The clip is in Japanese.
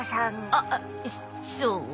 あっそそう？